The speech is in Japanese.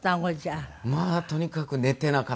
まあとにかく寝ていなかったですね。